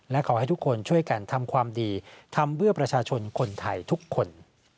และขอให้ทุกคนช่วยกันทำความดีทำเพื่อประชาชนคนไทยทุกคน